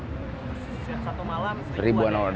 satu malam ribuan orang